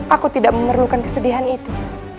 aku tidak memerlukan kesedihan itu